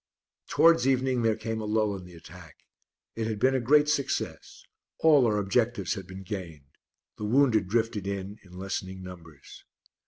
Towards evening there came a lull in the attack. It had been a great success; all our objectives had been gained; the wounded drifted in in lessening numbers.